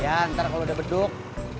ya ntar kalau udah beduk